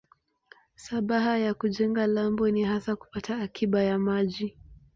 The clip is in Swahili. Shabaha ya kujenga lambo ni hasa kupata akiba ya maji.